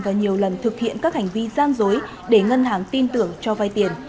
và nhiều lần thực hiện các hành vi gian dối để ngân hàng tin tưởng cho vai tiền